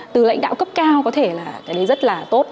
từ lãnh đạo cấp cao có thể là cái đấy rất là tốt